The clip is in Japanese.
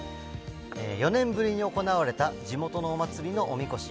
４年ぶりに行われた地元のお祭りのおみこし。